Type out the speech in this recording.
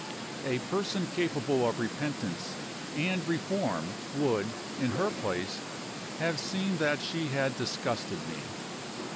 A person capable of repentance and reform would, in her place, have seen that she had disgusted me.